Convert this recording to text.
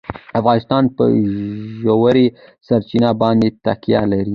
افغانستان په ژورې سرچینې باندې تکیه لري.